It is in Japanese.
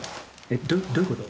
どどういうこと？